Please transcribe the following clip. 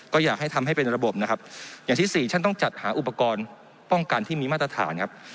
ก็อยากให้ทำให้เป็นระบบนะครับอย่างที่สี่ท่านต้องจัดหาอุปกรณ์ป้องกันที่มีมาตรฐานครับ